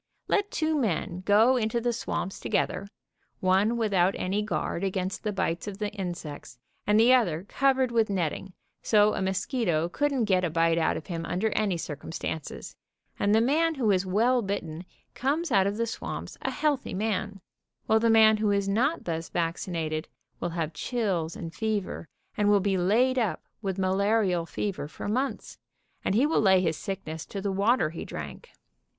Let two men go into the swamps together, one without any guard against the bites of the insects, and the other covered with netting so a mosquito couldn't get a bite out of him under any circumstances, and the man who is well bitten comes out of the swamps a healthy man, while the man who is not thus vaccinated will have chills and fever, and will be laid up with malarial fever for months, and he will lay his sickness to the water he drank.